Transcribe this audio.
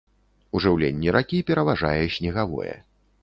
У жыўленні ракі пераважае снегавое.